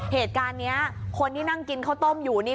เหตุการณ์นี้คนที่นั่งกินข้าวต้มอยู่นี่